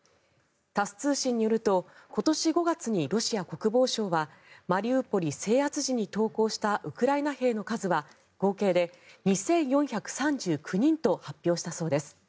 タス通信によると今年５月にロシア国防省はマリウポリ制圧時に投降したウクライナ兵の数は合計で２４３９人と発表したそうです。